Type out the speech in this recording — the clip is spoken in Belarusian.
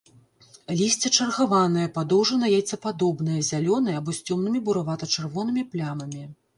Лісце чаргаванае, падоўжана-яйцападобнае, зялёнае або з цёмнымі буравата-чырвонымі плямамі.